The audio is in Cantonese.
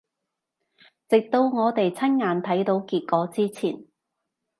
直到我哋親眼睇到結果之前